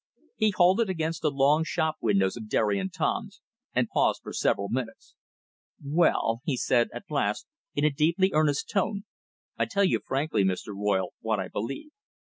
He halted against the long shop windows of Derry & Toms, and paused for several minutes. "Well," he said at last in a deeply earnest tone, "I tell you frankly, Mr. Royle, what I believe.